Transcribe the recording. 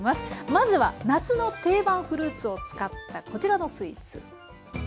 まずは夏の定番フルーツを使ったこちらのスイーツ。